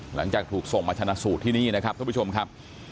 หลังจากถูกส่งมาชนะสูตรที่นี่นะครับท่านผู้ชมครับ